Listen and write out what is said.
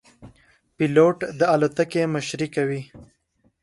پیلوټ د الوتکې مشري کوي.